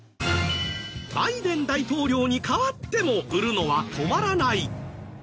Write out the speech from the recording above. バイデン大統領に代わっても売るのは止まらない。